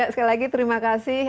sekali lagi terima kasih